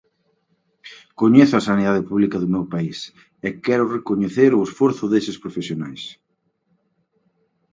Coñezo a sanidade pública do meu país e quero recoñecer o esforzo deses profesionais.